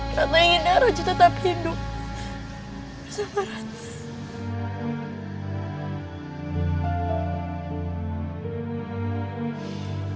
karena ingin nara tetap hidup bersama ranz